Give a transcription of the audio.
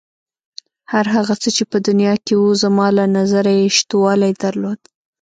هر هغه څه چې په دنیا کې و زما له نظره یې شتوالی درلود.